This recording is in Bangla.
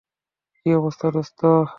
কী অবস্থা, দোস্ত?